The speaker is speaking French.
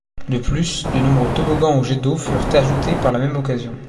De plus, de nombreux toboggans ou jets d'eaux furent ajoutés par la même occasion.